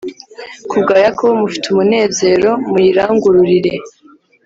ku bwa Yakobo mufite umunezero muyirangururire